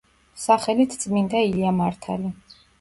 სახელით წმინდა ილია მართალი.